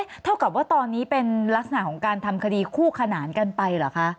เท่ากับว่าตอนนี้เป็นลักษณะของการทำคดีคู่ขนานกันไปเหรอคะ